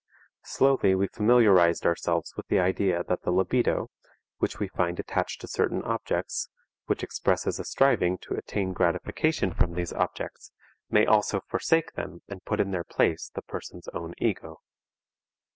Slowly we familiarized ourselves with the idea that the libido, which we find attached to certain objects, which expresses a striving to attain gratification from these objects, may also forsake them and put in their place the person's own ego.